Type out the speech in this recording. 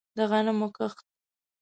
د غنمو کښت